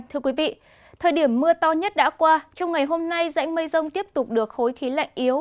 thưa quý vị thời điểm mưa to nhất đã qua trong ngày hôm nay dãnh mây rông tiếp tục được khối khí lạnh yếu